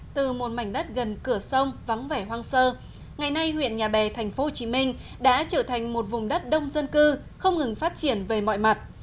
từ một mảnh đất gần cửa sông vắng vẻ hoang sơ ngày nay huyện nhà bè tp hcm đã trở thành một vùng đất đông dân cư không ngừng phát triển về mọi mặt